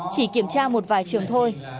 chỉ kiểm tra một vài trường thôi